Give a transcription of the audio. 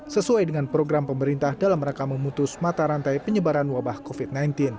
sesuai dengan program pemerintah dalam rangka memutus mata rantai penyebaran wabah covid sembilan belas